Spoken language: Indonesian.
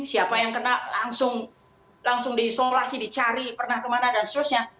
siapa yang kena langsung diisolasi dicari pernah kemana dan seterusnya